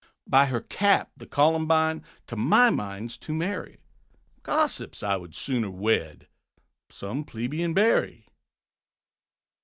By her cap the Columbine, To my mind, 's too merry; Gossips, I would sooner wed Some plebeian Berry.